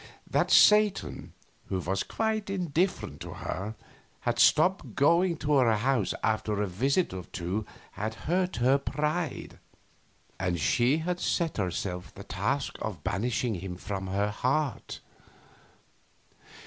That Satan, who was quite indifferent to her, had stopped going to her house after a visit or two had hurt her pride, and she had set herself the task of banishing him from her heart.